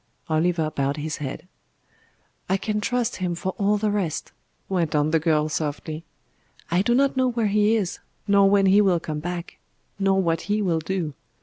Oliver bowed his head. "I can trust Him for all the rest," went on the girl softly. "I do not know where He is, nor when He will come back, nor what He will do.